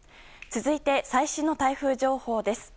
続いて、最新の台風情報です。